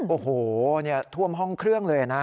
โอ้โหท่วมห้องเครื่องเลยนะ